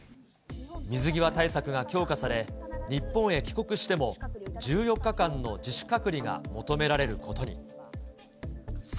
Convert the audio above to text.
水際対策が強化され、日本へ帰国しても１４日間の自主隔離が求められることに。